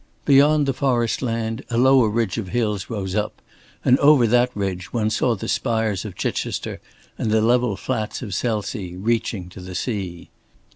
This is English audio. Beyond the forest land a lower ridge of hills rose up, and over that ridge one saw the spires of Chichester and the level flats of Selsea reaching to the sea.